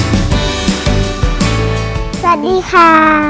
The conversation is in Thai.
สวัสดีค่ะ